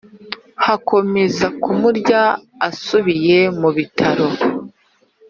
hakomeza kumurya Asubiye mu bitaro